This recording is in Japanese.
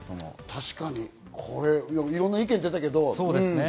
確かに、いろんな意見出たけどね。